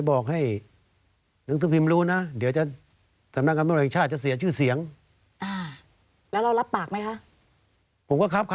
แล้วเรารับปากไหมคะ